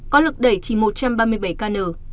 có lực đẩy chỉ một trăm ba mươi bảy kn